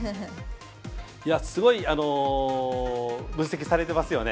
すごい分析されてますよね。